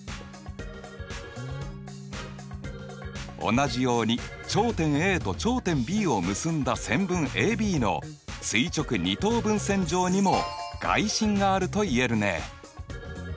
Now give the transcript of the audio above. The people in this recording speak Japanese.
同じように頂点Ａと頂点Ｂを結んだ線分ＡＢの垂直二等分線上にも外心があるといえるね。